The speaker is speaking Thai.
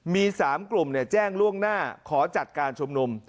มี๓กลุ่มแจ้งล่วงหน้าขอจัดการชุมนุม